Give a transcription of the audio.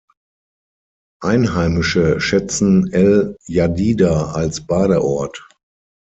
Einheimische schätzen El Jadida als Badeort.